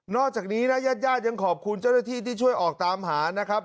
จากนี้นะญาติญาติยังขอบคุณเจ้าหน้าที่ที่ช่วยออกตามหานะครับ